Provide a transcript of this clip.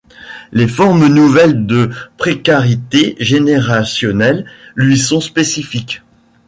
Les formes nouvelles de précarité générationnelle lui sont spécifiques.